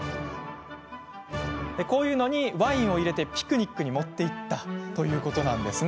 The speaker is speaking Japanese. こういうのにワインを入れてピクニックに持って行っていたそうなんです。